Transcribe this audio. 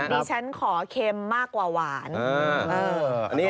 ครับเดี๋ยวผมจ้านขอเข็มมากกว่าหวาน